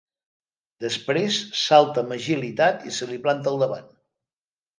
Després salta amb agilitat i se li planta al davant.